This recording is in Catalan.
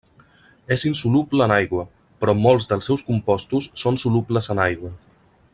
És insoluble en aigua però molts dels seus compostos són solubles en aigua.